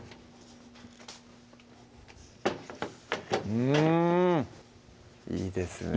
うんいいですね